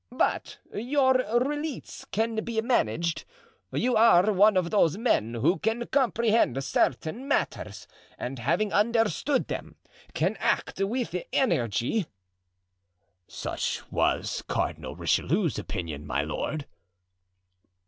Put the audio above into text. But your release can be managed. You are one of those men who can comprehend certain matters and having understood them, can act with energy——" "Such was Cardinal Richelieu's opinion, my lord."